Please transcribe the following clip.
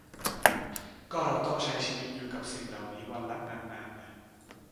ก็เราต้องใช้ชีวิตอยู่กับสิ่งเหล่านี้วันละนานนานน่ะ